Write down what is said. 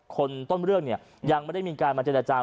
คนต้นเรื่องเนี่ยยังไม่ได้มีการมาเจรจา